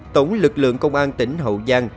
tổng lực lượng công an tỉnh hậu giang